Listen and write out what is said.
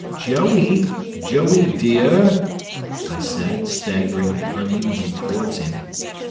"Joey Joey de urr!" I said, staggering unevenly towards him.